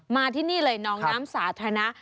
มาที่นี่เลยน้องน้ำสาธารณะ